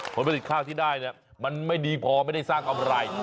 ผลผลิตข้าวที่ได้เนี่ยมันไม่ดีพอไม่ได้สร้างกำไร